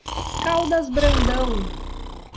Caldas Brandão